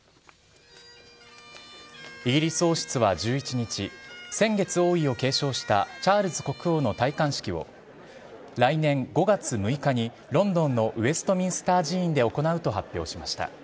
イギリス王室は１１日先月、王位を継承したチャールズ国王の戴冠式を来年５月６日にロンドンのウェストミンスター寺院で行うと発表しました。